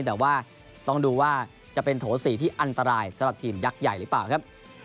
แต่ว่าต้องดูว่าจะเป็นโถ๔ที่อันตรายสำหรับทีมยักษ์ใหญ่หรือเปล่าครับ